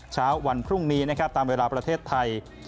เช้าวันพรุ่งนี้นะครับตามเวลาประเทศไทย